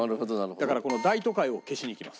だからこの『大都会』を消しにいきます。